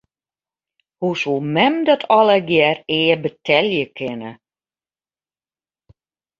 Hoe soe mem dat allegearre ea betelje kinne?